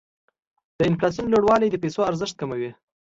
د انفلاسیون لوړوالی د پیسو ارزښت کموي.